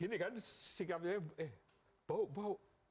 ini kan sikapnya eh bau bau